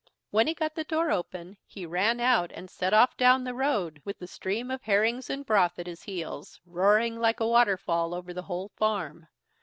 When he got the door open, he ran out and set off down the road, with the stream of herrings and broth at his heels, roaring like a waterfall over the whole farm.